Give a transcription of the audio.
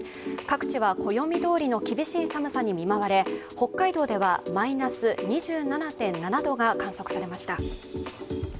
各地は暦どおりの厳しい寒さに見舞われ、北海道ではマイナス２７．７度が観測されました。